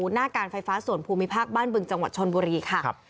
หน้าการไฟฟ้าส่วนภูมิภาคบ้านบึงจังหวัดชนบุรีค่ะ